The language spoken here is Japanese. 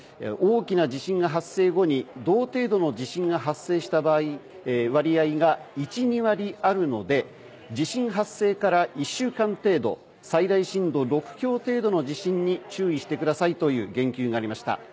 大きな地震発生後に同程度の地震が発生した割合が１２割があるので地震発生から１週間程度最大震度６強程度の地震に注意してくださいという言及がありました。